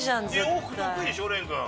洋服得意でしょ廉君。